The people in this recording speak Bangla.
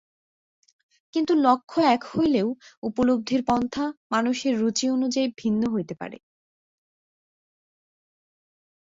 কিন্তু লক্ষ্য এক হইলেও উপলব্ধির পন্থা মানুষের রুচি অনুযায়ী ভিন্ন হইতে পারে।